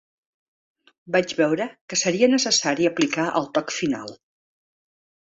Vaig veure que seria necessari aplicar el toc final.